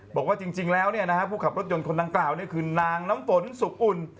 บอกว่าจริงแล้วผู้ขับรถยนต์คนดังกล่าวนี่คือนางน้ำฝนสุขอุ่น